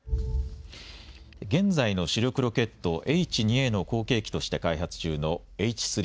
現在の主力ロケット、Ｈ２Ａの後継機として開発中のＨ３。